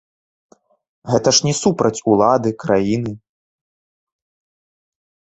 Гэта ж не супраць улады, краіны.